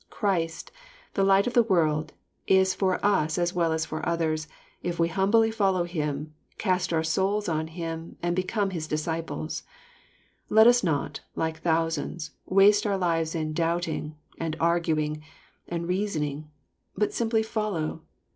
Christ, the light of the world, is for us as well as for others, if we humbly follow Him, cast our souls on Him, and be come His disciples. — ^Let us not, like thousands, waste our lives in doubting, and arguing, and reasoning, but simply follow.